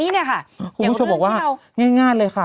คุณผู้ชมบอกว่าง่ายเลยค่ะ